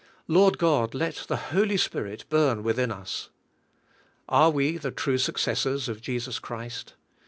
Lord God, let the Holy Spirit burn within us." x\re we the true successors of Jesus Christ?